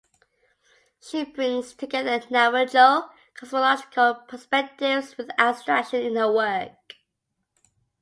She brings together Navajo cosmological perspectives with abstraction in her work.